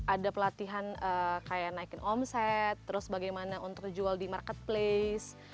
ada pelatihan kayak naikin omset terus bagaimana untuk jual di marketplace